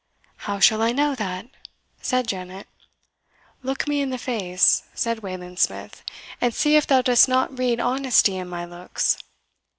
"How shall I know that?" said Janet. "Look me in the face," said Wayland Smith, "and see if thou dost not read honesty in my looks."